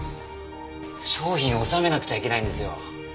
商品を納めなくちゃいけないんですよ。